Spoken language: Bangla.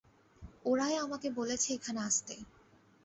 ওরাই আমাকে বলেছে এখানে আসতে।